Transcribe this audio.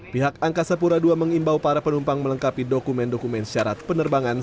pihak angkasa pura ii mengimbau para penumpang melengkapi dokumen dokumen syarat penerbangan